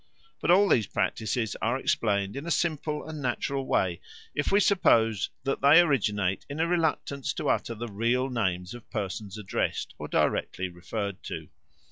But all these practices are explained in a simple and natural way if we suppose that they originate in a reluctance to utter the real names of persons addressed or directly referred to.